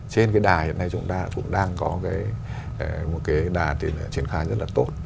trên cái đà hiện nay chúng ta cũng đang có một cái đà thì là triển khai rất là tốt